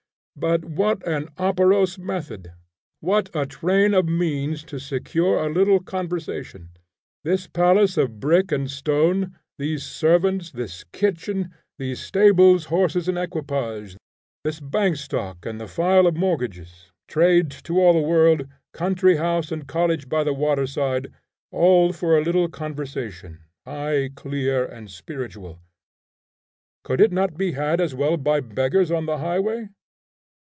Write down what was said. But what an operose method! What a train of means to secure a little conversation! This palace of brick and stone, these servants, this kitchen, these stables, horses and equipage, this bank stock and file of mortgages; trade to all the world, country house and cottage by the waterside, all for a little conversation, high, clear, and spiritual! Could it not be had as well by beggars on the highway?